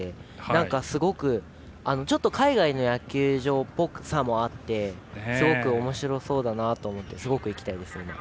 なんか、すごくちょっと海外の野球場っぽさもあってすごくおもしろそうだなと思ってすごく行きたいですね。